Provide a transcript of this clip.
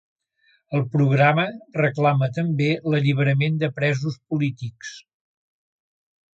El Programa reclama també l'alliberament de presos polítics.